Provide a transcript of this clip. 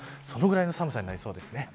そのぐらいの寒さとなりそうです。